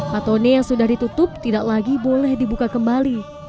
patone yang sudah ditutup tidak lagi boleh dibuka kembali